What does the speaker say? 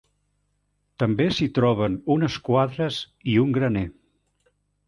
També s'hi troben unes quadres i un graner.